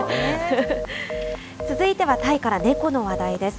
続いてはタイから、猫の話題です。